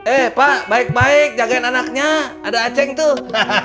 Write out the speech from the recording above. eh pak baik baik jagain anaknya ada aceng tuh